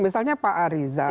misalnya pak ariza